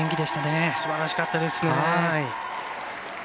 すばらしかったですね。